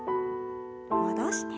戻して。